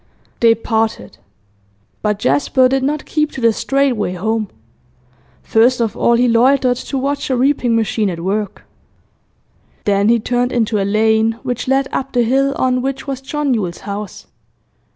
They parted. But Jasper did not keep to the straight way home. First of all, he loitered to watch a reaping machine at work; then he turned into a lane which led up the hill on which was John Yule's house.